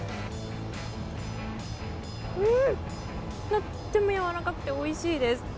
とてもやわらかくておいしいです！